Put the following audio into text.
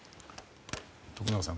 徳永さん